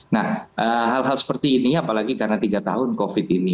nah hal hal seperti ini apalagi karena tiga tahun covid ini